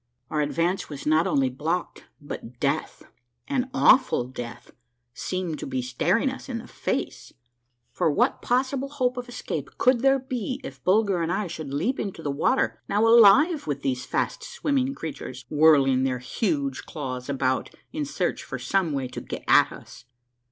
Our advance was not only blocked, but death, an awful death, seemed to be staring us in the face ; for what possible hope of escape could there be if Bulger and I should leap into the water, now alive with these fast swimming creatures, whirling their huge claws about in search for some way to get at us.